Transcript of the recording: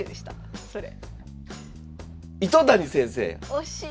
惜しい！